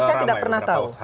saya tidak pernah tahu